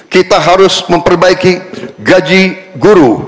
kita harus memperbaiki gaji guru